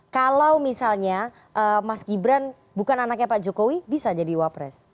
kalau misalnya mas gibran bukan anaknya pak jokowi bisa jadi wapres